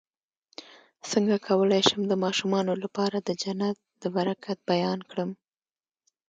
څنګه کولی شم د ماشومانو لپاره د جنت د برکت بیان کړم